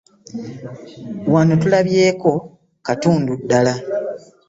Wano tulabyeko katundu ddala.